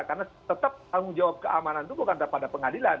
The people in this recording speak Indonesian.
karena tetap tanggung jawab keamanan itu bukan daripada pengadilan